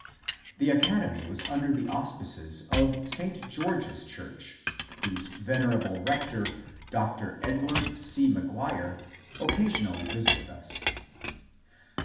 The academy was under the auspices of St. George's church, whose venerable rector. Dr. Edward C. McGuire, occasionally visited us.